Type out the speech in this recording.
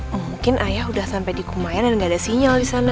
mungkin ayah udah sampe di kumayan dan gak ada sinyal disana